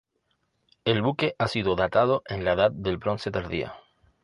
El buque ha sido datado en la Edad del Bronce tardía.